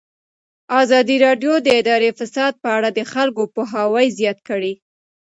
ازادي راډیو د اداري فساد په اړه د خلکو پوهاوی زیات کړی.